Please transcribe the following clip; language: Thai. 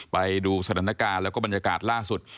ไปดูสถานการณ์แล้วก็บรรยากาศล่าสุด